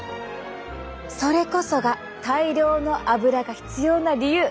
それこそが大量の油が必要な理由。